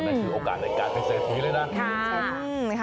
โอ้โหนั่นคือโอกาสในการเป็นเศรษฐีเลยนะ